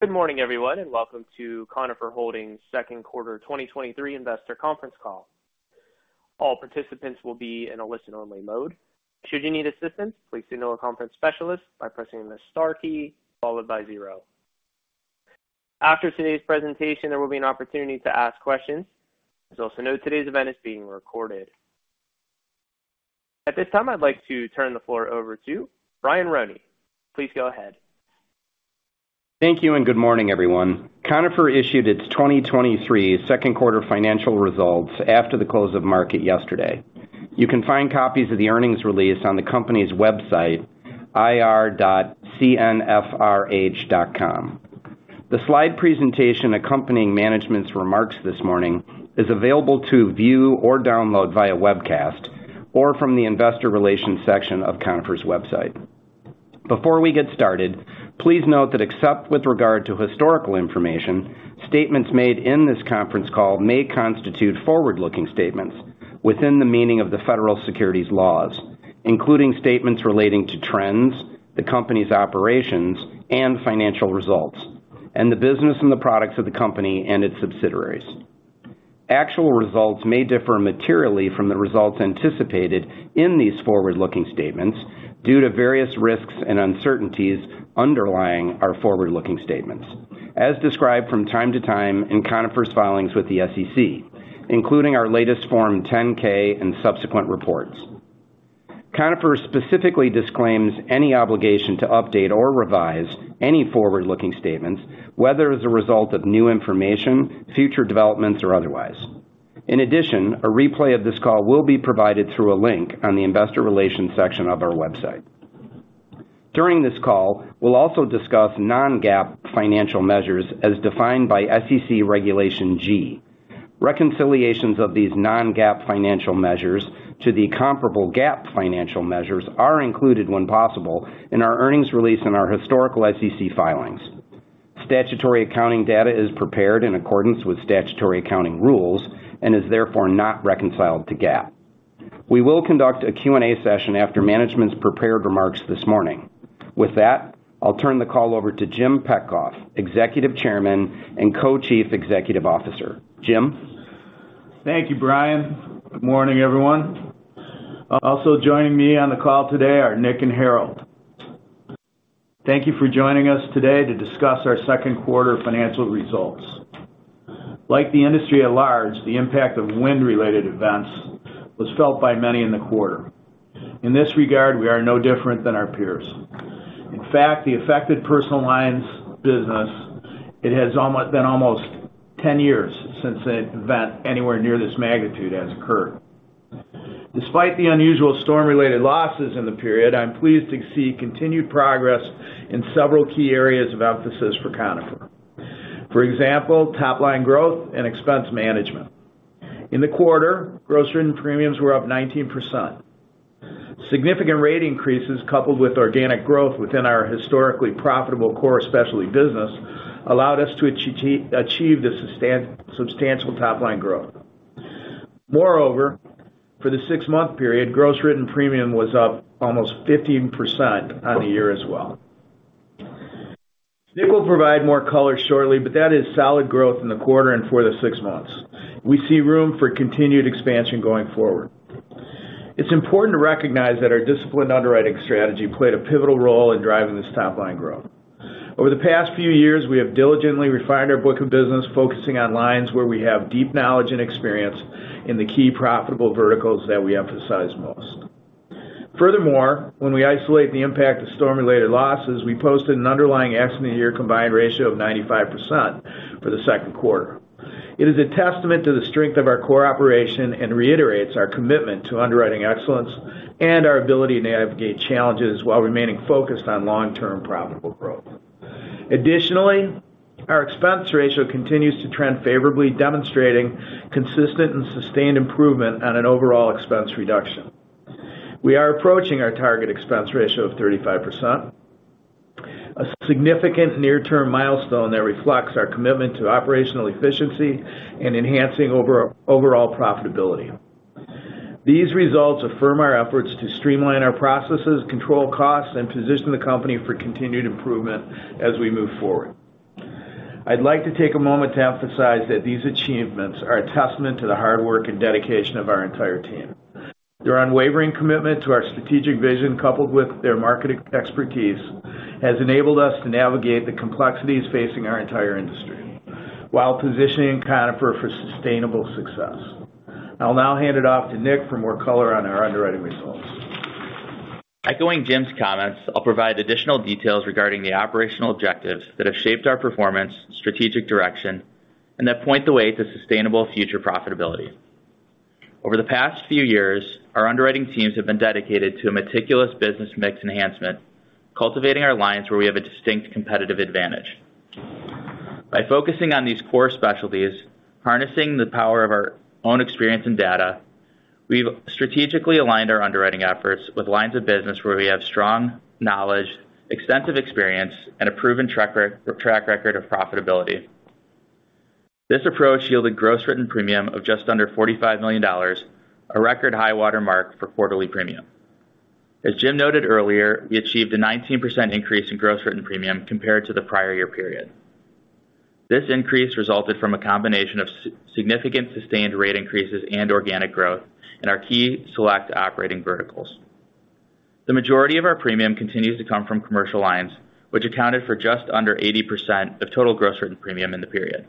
Good morning, everyone, and welcome to Conifer Holdings' Second Quarter 2023 Investor Conference Call. All participants will be in a listen-only mode. Should you need assistance, please signal a conference specialist by pressing the star key followed by 0. After today's presentation, there will be an opportunity to ask questions. Please also note today's event is being recorded. At this time, I'd like to turn the floor over to Brian Roney. Please go ahead. Thank you. Good morning, everyone. Conifer issued its 2023 Second Quarter Financial Results after the close of market yesterday. You can find copies of the earnings release on the company's website, ir.cnfrh.com. The slide presentation accompanying management's remarks this morning is available to view or download via webcast or from the investor relations section of Conifer's website. Before we get started, please note that except with regard to historical information, statements made in this conference call may constitute forward-looking statements within the meaning of the federal securities laws, including statements relating to trends, the company's operations and financial results, and the business and the products of the company and its subsidiaries. Actual results may differ materially from the results anticipated in these forward-looking statements due to various risks and uncertainties underlying our forward-looking statements, as described from time to time in Conifer's filings with the SEC, including our latest Form 10-K and subsequent reports. Conifer specifically disclaims any obligation to update or revise any forward-looking statements, whether as a result of new information, future developments, or otherwise. In addition, a replay of this call will be provided through a link on the investor relations section of our website. During this call, we'll also discuss non-GAAP financial measures as defined by SEC Regulation G. Reconciliations of these non-GAAP financial measures to the comparable GAAP financial measures are included when possible, in our earnings release in our historical SEC filings. Statutory accounting data is prepared in accordance with statutory accounting rules and is therefore not reconciled to GAAP. We will conduct a Q&A session after management's prepared remarks this morning. With that, I'll turn the call over to Jim Petcoff, Executive Chairman and Co-Chief Executive Officer. Jim? Thank you, Brian. Good morning, everyone. Also joining me on the call today are Nick and Harold. Thank you for joining us today to discuss our second quarter financial results. Like the industry at large, the impact of wind-related events was felt by many in the quarter. In this regard, we are no different than our peers. In fact, the affected personal lines business, it has been almost 10 years since an event anywhere near this magnitude has occurred. Despite the unusual storm-related losses in the period, I'm pleased to see continued progress in several key areas of emphasis for Conifer. For example, top-line growth and expense management. In the quarter, gross written premiums were up 19%. Significant rate increases, coupled with organic growth within our historically profitable core specialty business, allowed us to achieve this substantial top-line growth. Moreover, for the 6-month period, gross written premium was up almost 15% on the year as well. Nick will provide more color shortly, that is solid growth in the quarter and for the 6 months. We see room for continued expansion going forward. It's important to recognize that our disciplined underwriting strategy played a pivotal role in driving this top-line growth. Over the past few years, we have diligently refined our book of business, focusing on lines where we have deep knowledge and experience in the key profitable verticals that we emphasize most. When we isolate the impact of storm-related losses, we posted an underlying accident year combined ratio of 95% for the second quarter. It is a testament to the strength of our core operation and reiterates our commitment to underwriting excellence and our ability to navigate challenges while remaining focused on long-term profitable growth. Additionally, our expense ratio continues to trend favorably, demonstrating consistent and sustained improvement on an overall expense reduction. We are approaching our target expense ratio of 35%, a significant near-term milestone that reflects our commitment to operational efficiency and enhancing overall profitability. These results affirm our efforts to streamline our processes, control costs, and position the company for continued improvement as we move forward. I'd like to take a moment to emphasize that these achievements are a testament to the hard work and dedication of our entire team. Their unwavering commitment to our strategic vision, coupled with their market expertise, has enabled us to navigate the complexities facing our entire industry while positioning Conifer for sustainable success. I'll now hand it off to Nick for more color on our underwriting results. Echoing Jim's comments, I'll provide additional details regarding the operational objectives that have shaped our performance, strategic direction, and that point the way to sustainable future profitability. Over the past few years, our underwriting teams have been dedicated to a meticulous business mix enhancement, cultivating our lines where we have a distinct competitive advantage. By focusing on these core specialties, harnessing the power of our own experience and data, we've strategically aligned our underwriting efforts with lines of business where we have strong knowledge, extensive experience, and a proven track record of profitability.... This approach yielded gross written premium of just under $45 million, a record high-water mark for quarterly premium. As Jim noted earlier, we achieved a 19% increase in gross written premium compared to the prior year period. This increase resulted from a combination of significant sustained rate increases and organic growth in our key select operating verticals. The majority of our premium continues to come from commercial lines, which accounted for just under 80% of total gross written premium in the period.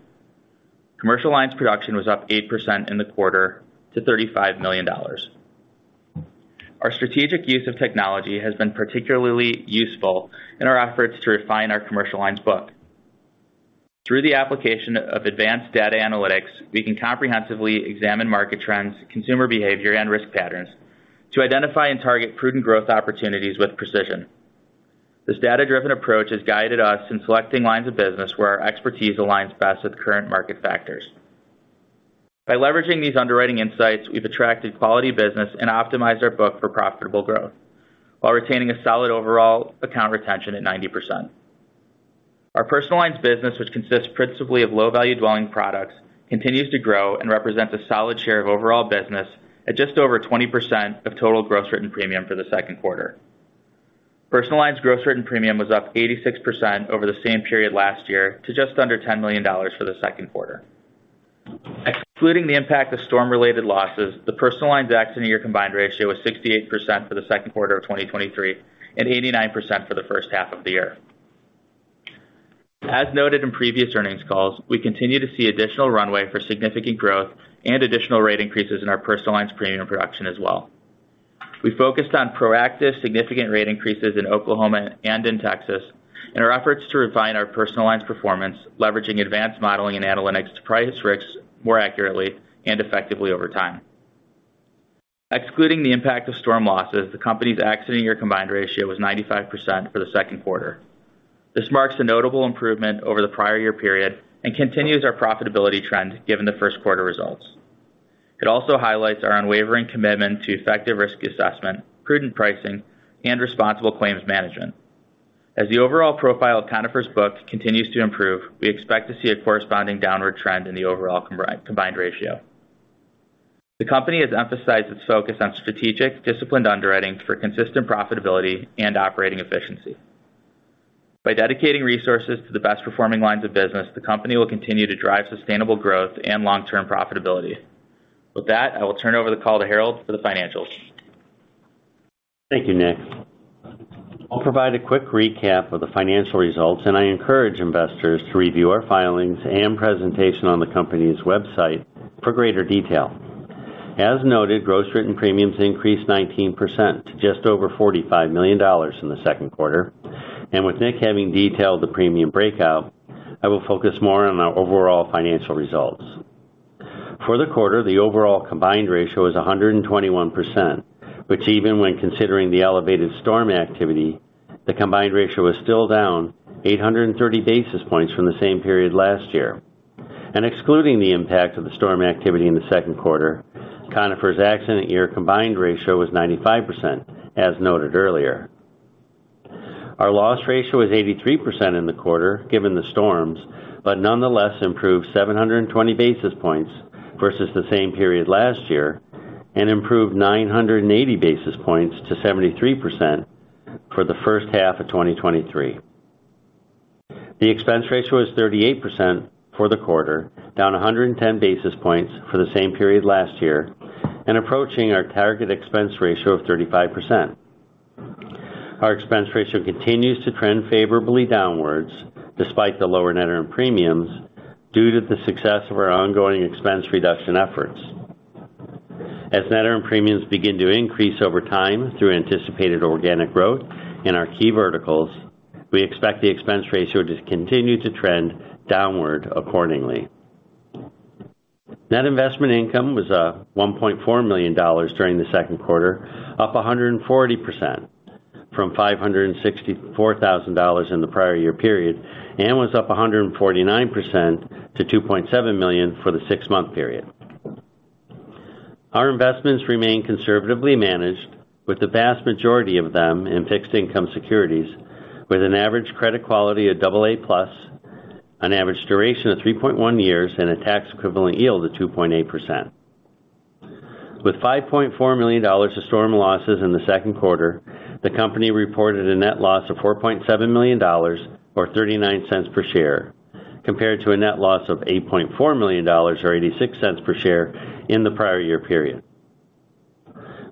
Commercial lines production was up 8% in the quarter to $35 million. Our strategic use of technology has been particularly useful in our efforts to refine our commercial lines book. Through the application of advanced data analytics, we can comprehensively examine market trends, consumer behavior, and risk patterns to identify and target prudent growth opportunities with precision. This data-driven approach has guided us in selecting lines of business where our expertise aligns best with current market factors. By leveraging these underwriting insights, we've attracted quality business and optimized our book for profitable growth, while retaining a solid overall account retention at 90%. Our personal lines business, which consists principally of low-value dwelling products, continues to grow and represents a solid share of overall business at just over 20% of total gross written premium for the second quarter. Personal lines gross written premium was up 86% over the same period last year to just under $10 million for the second quarter. Excluding the impact of storm-related losses, the personal lines accident year combined ratio was 68% for the second quarter of 2023, and 89% for the first half of the year. As noted in previous earnings calls, we continue to see additional runway for significant growth and additional rate increases in our personal lines premium production as well. We focused on proactive, significant rate increases in Oklahoma and in Texas, in our efforts to refine our personal lines performance, leveraging advanced modeling and analytics to price risks more accurately and effectively over time. Excluding the impact of storm losses, the company's accident year combined ratio was 95% for the second quarter. This marks a notable improvement over the prior year period and continues our profitability trend, given the first quarter results. It also highlights our unwavering commitment to effective risk assessment, prudent pricing, and responsible claims management. As the overall profile of Conifer's book continues to improve, we expect to see a corresponding downward trend in the overall combined ratio. The company has emphasized its focus on strategic, disciplined underwriting for consistent profitability and operating efficiency. By dedicating resources to the best-performing lines of business, the company will continue to drive sustainable growth and long-term profitability. With that, I will turn over the call to Harold for the financials. Thank you, Nick. I'll provide a quick recap of the financial results, and I encourage investors to review our filings and presentation on the company's website for greater detail. As noted, gross written premiums increased 19% to just over $45 million in the second quarter. With Nick having detailed the premium breakout, I will focus more on our overall financial results. For the quarter, the overall combined ratio is 121%, which even when considering the elevated storm activity, the combined ratio is still down 830 basis points from the same period last year. Excluding the impact of the storm activity in the second quarter, Conifer's accident year combined ratio was 95%, as noted earlier. Our loss ratio was 83% in the quarter, given the storms, but nonetheless improved 720 basis points versus the same period last year, and improved 980 basis points to 73% for the first half of 2023. The expense ratio was 38% for the quarter, down 110 basis points for the same period last year, and approaching our target expense ratio of 35%. Our expense ratio continues to trend favorably downwards, despite the lower net earned premiums, due to the success of our ongoing expense reduction efforts. As net earned premiums begin to increase over time through anticipated organic growth in our key verticals, we expect the expense ratio to continue to trend downward accordingly. Net investment income was $1.4 million during the second quarter, up 140% from $564,000 in the prior year period, and was up 149% to $2.7 million for the six-month period. Our investments remain conservatively managed, with the vast majority of them in fixed income securities, with an average credit quality of AA+, an average duration of 3.1 years, and a tax-equivalent yield of 2.8%. With $5.4 million of storm losses in the second quarter, the company reported a net loss of $4.7 million, or $0.39 per share, compared to a net loss of $8.4 million, or $0.86 per share, in the prior year period.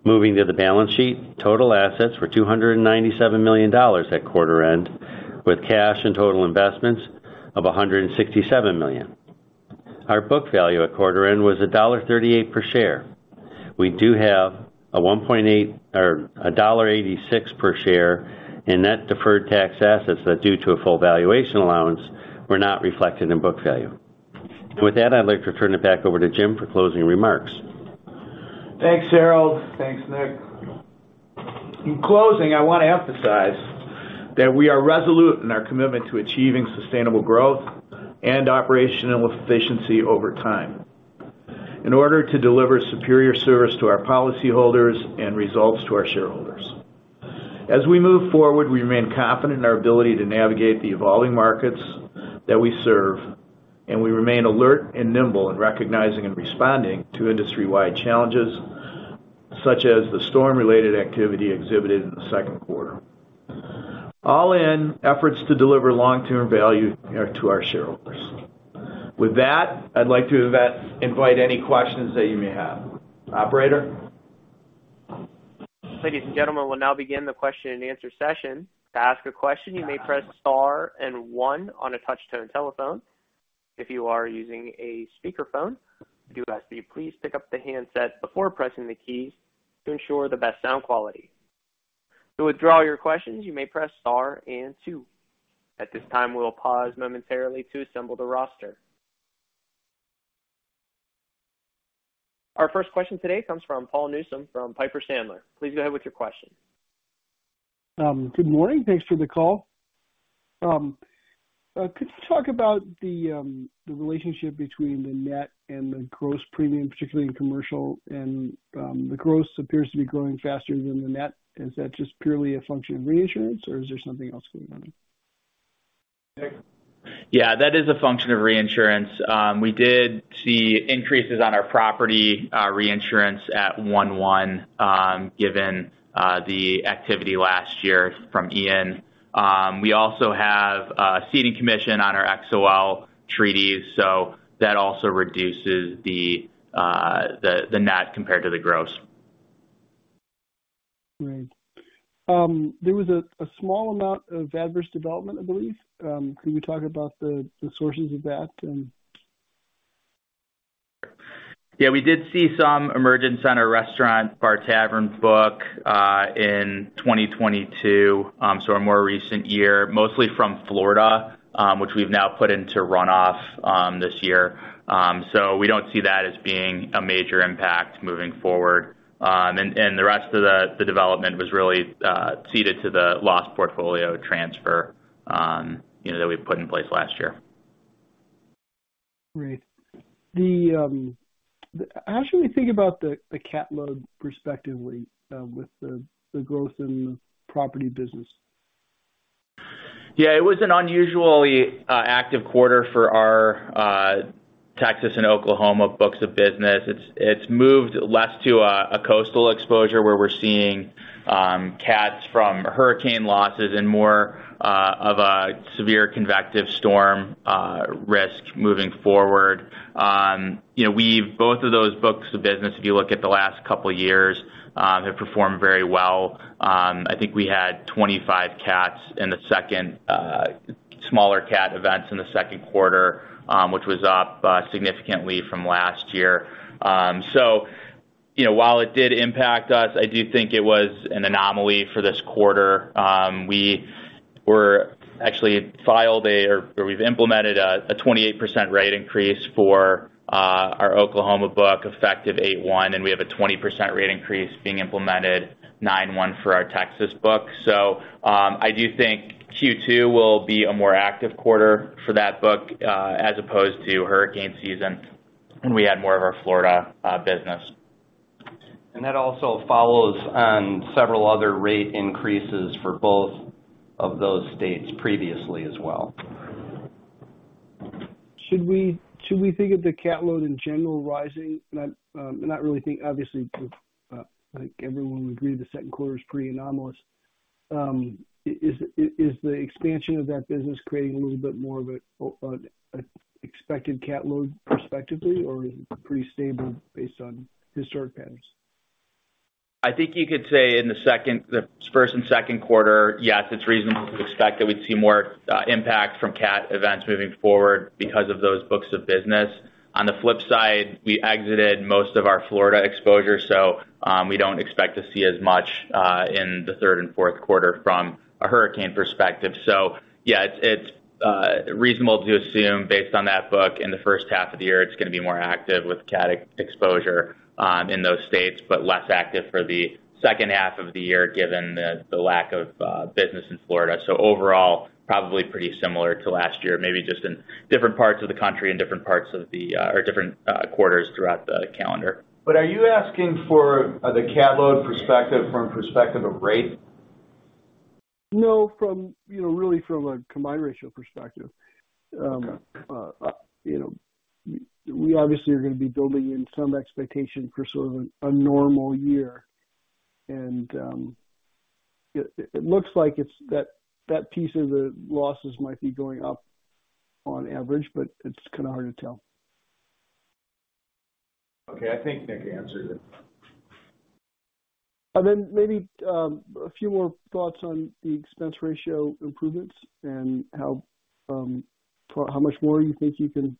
Moving to the balance sheet, total assets were $297 million at quarter end, with cash and total investments of $167 million. Our book value at quarter end was $1.38 per share. We do have a $1.86 per share in net deferred tax assets that, due to a full valuation allowance, were not reflected in book value. With that, I'd like to turn it back over to Jim for closing remarks. Thanks, Harold. Thanks, Nick. In closing, I want to emphasize that we are resolute in our commitment to achieving sustainable growth and operational efficiency over time in order to deliver superior service to our policyholders and results to our shareholders. As we move forward, we remain confident in our ability to navigate the evolving markets that we serve, and we remain alert and nimble in recognizing and responding to industry-wide challenges, such as the storm-related activity exhibited in the second quarter. All in efforts to deliver long-term value to our shareholders. With that, I'd like to invite any questions that you may have. Operator? Ladies and gentlemen, we'll now begin the question-and-answer session. To ask a question, you may press star and one on a touch-tone telephone. If you are using a speakerphone, we do ask that you please pick up the handset before pressing the keys to ensure the best sound quality. To withdraw your questions, you may press star and two. At this time, we will pause momentarily to assemble the roster. Our first question today comes from Paul Newsome, from Piper Sandler. Please go ahead with your question. Good morning. Thanks for the call. Could you talk about the relationship between the net and the gross premium, particularly in commercial? The gross appears to be growing faster than the net. Is that just purely a function of reinsurance, or is there something else going on? Nick? Yeah, that is a function of reinsurance. We did see increases on our property reinsurance at 1/1, given the activity last year from Ian. We also have a ceding commission on our XOL treaties, so that also reduces the, the, the net compared to the gross. Right. There was a small amount of adverse development, I believe. Can you talk about the sources of that and...? Yeah, we did see some emergence on our restaurant, bar, tavern book in 2022, so a more recent year. Mostly from Florida, which we've now put into runoff this year. We don't see that as being a major impact moving forward. The rest of the, the development was really ceded to the loss portfolio transfer, you know, that we put in place last year. Great. The how should we think about the, the cat load perspectively, with the, the growth in the property business? Yeah, it was an unusually active quarter for our Texas and Oklahoma books of business. It's, it's moved less to a coastal exposure, where we're seeing cats from hurricane losses and more of a severe convective storm risk moving forward. You know, both of those books of business, if you look at the last two years, have performed very well. I think we had 25 cats in the second, smaller cat events in the second quarter, which was up significantly from last year. You know, while it did impact us, I do think it was an anomaly for this quarter. We were... Actually filed a, or we've implemented a, a 28% rate increase for our Oklahoma book, effective 8/1, and we have a 20% rate increase being implemented 9/1 for our Texas book. I do think Q2 will be a more active quarter for that book as opposed to hurricane season, and we had more of our Florida business. That also follows on several other rate increases for both of those states previously as well. Should we, should we think of the cat load in general rising? Not, not really. Obviously, I think everyone would agree the second quarter is pretty anomalous. Is the expansion of that business creating a little bit more of an expected cat load perspectively, or is it pretty stable based on historic patterns? I think you could say in the first and second quarter, yes, it's reasonable to expect that we'd see more impact from cat events moving forward because of those books of business. On the flip side, we exited most of our Florida exposure, we don't expect to see as much in the third and fourth quarter from a hurricane perspective. Yeah, it's, it's reasonable to assume, based on that book in the first half of the year, it's gonna be more active with cat exposure in those states, but less active for the second half of the year, given the lack of business in Florida. Overall, probably pretty similar to last year, maybe just in different parts of the country and different parts of the or different quarters throughout the calendar. Are you asking for the cat load perspective from perspective of rate? No, from, you know, really from a combined ratio perspective. Okay. you know, we obviously are gonna be building in some expectation for sort of a normal year. It, it looks like it's, that, that piece of the losses might be going up on average, but it's kind of hard to tell. Okay, I think Nick answered it. Maybe a few more thoughts on the expense ratio improvements and how much more you think you can,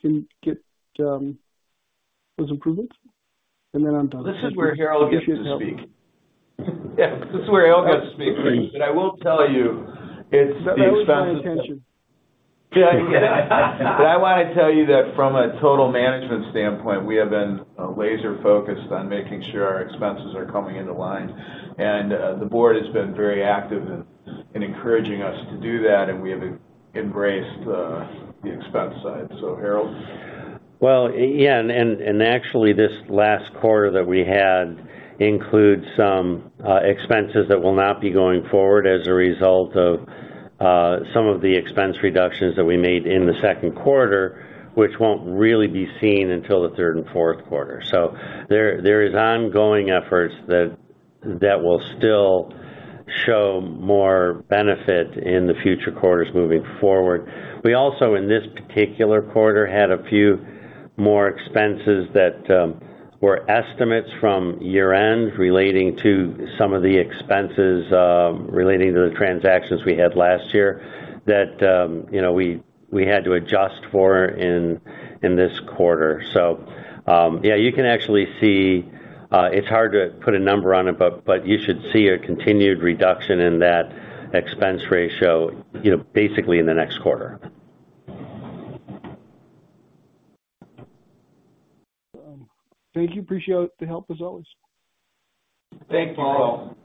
can get, those improvements. I'm done. This is where Harold gets to speak. Yeah, this is where Harold gets to speak. I will tell you, it's the expenses. That was my intention. I want to tell you that from a total management standpoint, we have been laser-focused on making sure our expenses are coming into line. The board has been very active in, in encouraging us to do that, and we have embraced the expense side. Harold? Well, yeah, actually this last quarter that we had includes some expenses that will not be going forward as a result of some of the expense reductions that we made in the second quarter, which won't really be seen until the third and fourth quarter. There, there is ongoing efforts that, that will still show more benefit in the future quarters moving forward. We also, in this particular quarter, had a few more expenses that were estimates from year-end, relating to some of the expenses relating to the transactions we had last year, that, you know, we, we had to adjust for in, in this quarter. Yeah, you can actually see, it's hard to put a number on it, but, but you should see a continued reduction in that expense ratio, you know, basically in the next quarter. Thank you. Appreciate the help, as always. Thanks, Paul.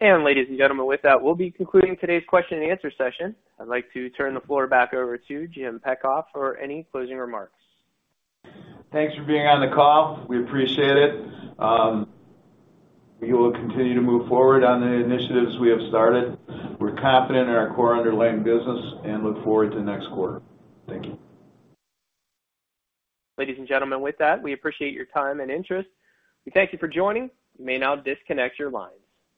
Ladies and gentlemen, with that, we'll be concluding today's question and answer session. I'd like to turn the floor back over to Jim Petcoff for any closing remarks. Thanks for being on the call. We appreciate it. We will continue to move forward on the initiatives we have started. We're confident in our core underlying business and look forward to next quarter. Thank you. Ladies and gentlemen, with that, we appreciate your time and interest. We thank you for joining. You may now disconnect your lines.